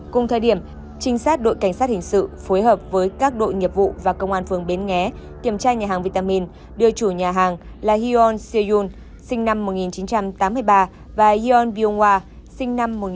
cùng thời điểm trinh sát đội cảnh sát hình sự phối hợp với các đội nghiệp vụ và công an phường bến nghé kiểm tra nhà hàng vitamin đưa chủ nhà hàng là hyun se yoon sinh năm một nghìn chín trăm tám mươi ba và hyun byung hwa sinh năm một nghìn chín trăm tám mươi bốn